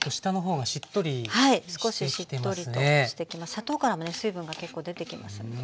砂糖からもね水分が結構出てきますんで。